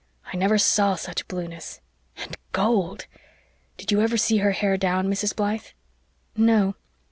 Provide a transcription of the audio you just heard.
I never saw such blueness and gold! Did you ever see her hair down, Mrs. Blythe?" "No."